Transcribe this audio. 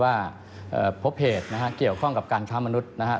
ว่าพบเหตุนะฮะเกี่ยวข้องกับการค้ามนุษย์นะฮะ